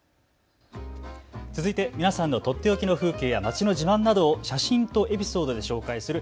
続いて皆さんのとっておきの風景や町の自慢などを写真とエピソードで紹介する＃